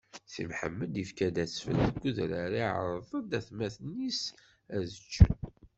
Si Mḥemmed ifka asfel deg udrar, iɛreḍ-d atmaten-is ad ččen.